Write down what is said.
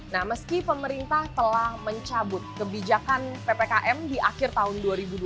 nah meski pemerintah telah mencabut kebijakan ppkm di akhir tahun dua ribu dua puluh